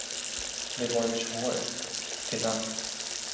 Ліворуч — гори, стіна.